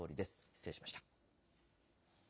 失礼しました。